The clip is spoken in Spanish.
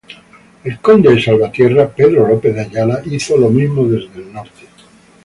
El conde de Salvatierra, Pedro López de Ayala, hizo lo mismo desde el norte.